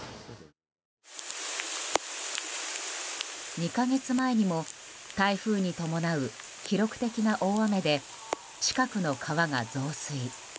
２か月前にも台風に伴う記録的な大雨で近くの川が増水。